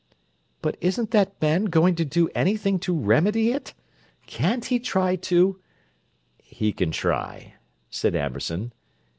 "But isn't that man going to do anything to remedy it? can't he try to—" "He can try," said Amberson.